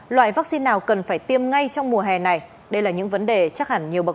loại vaccine nào cần phải tiêm ngay trong mùa hè này đây là những vấn đề chắc hẳn nhiều bậc